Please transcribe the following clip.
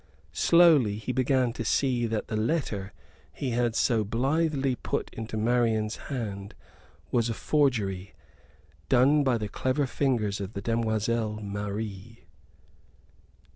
Slowly he began to see that the letter he had so blithely put into Marian's hand was a forgery, done by the clever fingers of the demoiselle Marie.